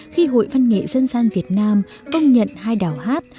khi hội văn nghệ dân gian việt nam công nhận hai đảo hát